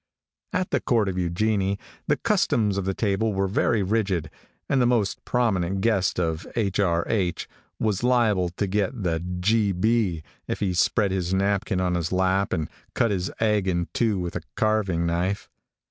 At the court of Eugenie, the customs of the table were very rigid, and the most prominent guest of H. R. H. was liable to get the G. B. if he spread his napkin on his lap, and cut his egg in two with a carving knife.